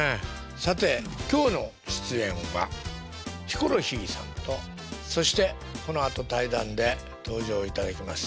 さて今日の出演はヒコロヒーさんとそしてこのあと対談で登場いただきます